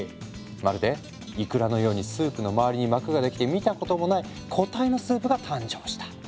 まるでいくらのようにスープの周りに膜ができて見たこともない固体のスープが誕生した。